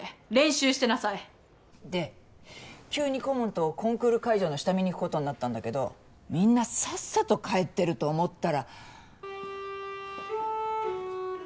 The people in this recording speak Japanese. で急に顧問とコンクール会場の下見に行くことになったんだけどみんなさっさと帰ってると思ったら。